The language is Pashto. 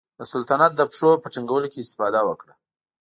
د سلطنت د پښو په ټینګولو کې استفاده وکړه.